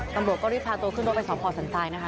ตำรวจก็รีบพาตัวขึ้นรถไปสอบพอสันตายนะคะ